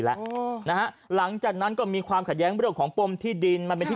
แล้วนะฮะหลังจากนั้นก็มีความขัดแย้งเรื่องของปมที่ดินมันเป็นที่